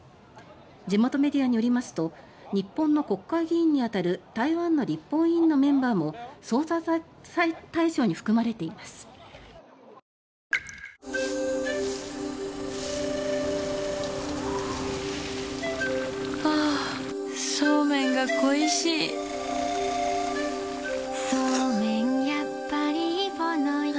地元メディアによりますと日本の国会議員にあたる台湾の立法委員のメンバーも捜査対象に含まれています。女性）